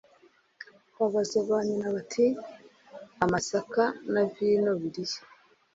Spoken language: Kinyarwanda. Babaza ba nyina bati“Amasaka na vino biri hehe